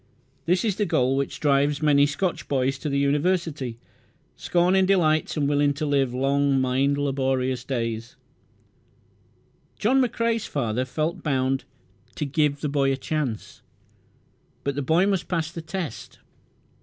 This is the goal which drives many Scotch boys to the University, scorning delights and willing to live long, mind laborious days. John McCrae's father felt bound "to give the boy a chance," but the boy must pass the test.